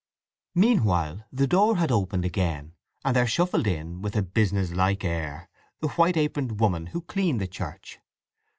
Meanwhile the door had opened again, and there shuffled in with a businesslike air the white aproned woman who cleaned the church.